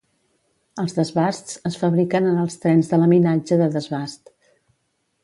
Els desbasts es fabriquen en els trens de laminatge de desbast.